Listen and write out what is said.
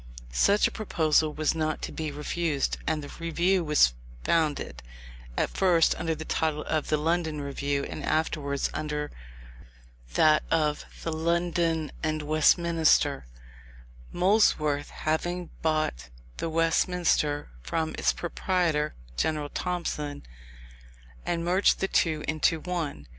Such a proposal was not to be refused; and the Review was founded, at first under the title of the London Review, and afterwards under that of the London and Westminster, Molesworth having bought the Westminster from its proprietor, General Thompson, and merged the two into one.